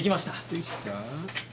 できた？